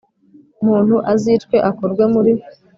muntu azicwe akurwe muri